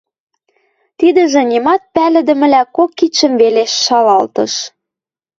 Тидӹжӹ нимат пӓлӹдӹмӹлӓ кок кидшӹм веле шалалтыш.